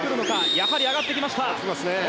やはり上がってきました。